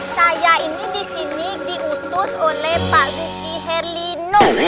saya ini disini diutus oleh pak duki herlino